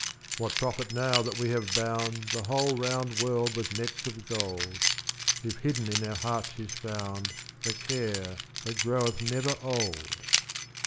What profit now that we have bound The whole round world with nets of gold, If hidden in our heart is found The care that groweth never old?